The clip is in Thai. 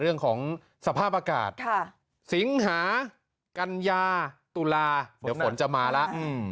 เรื่องของสภาพอากาศสิงหากัญญาตุลาเดี๋ยวฝนจะมาแล้ว